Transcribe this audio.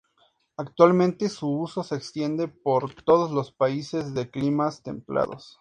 Actualmente su uso se extiende por todos los países de climas templados.